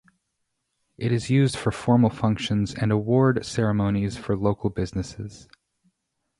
It is used for formal functions and award ceremonies for local businesses.